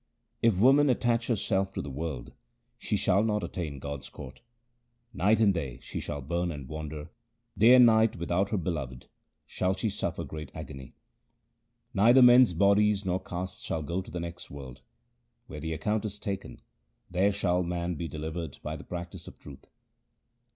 If woman attach herself to the world, she shall not attain God's court. Night and day she shall burn and wander ; day and night without her Beloved shall she suffer great agony. Neither men's bodies nor castes shall go to the next world. Where the account is taken, there shall man be delivered by the practice of truth.